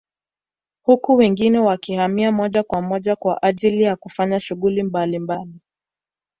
Huku wengine wakihamia moja kwa moja kwa ajili ya kufanya shughuli mbalimbali